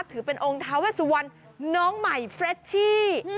ถือเป็นองค์ท้าเวสวันน้องใหม่เฟรชชี่